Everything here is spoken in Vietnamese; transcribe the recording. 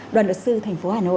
đoàn luật sư thành phố hà nội